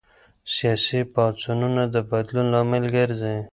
سياسي پاڅونونه د بدلون لامل ګرځي.